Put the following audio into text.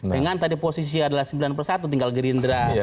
dengan tadi posisi adalah sembilan persatu tinggal gerindra